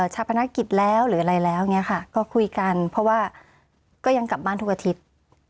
ชาปนกิจแล้วหรืออะไรแล้วอย่างนี้ค่ะก็คุยกันเพราะว่าก็ยังกลับบ้านทุกอาทิตย์